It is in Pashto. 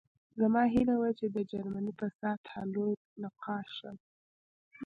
زما هیله وه چې د جرمني په سطحه لوی نقاش شم